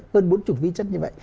gần bốn mươi loại ví chất như vậy